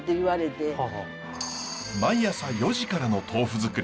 毎朝４時からの豆腐づくり。